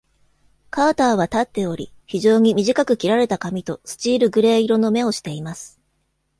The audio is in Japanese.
カーターは立っており、非常に短く切られた髪とスチールグレー色の目をしています。